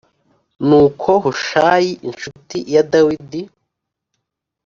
Nuko Hushayi incuti ya Dawidi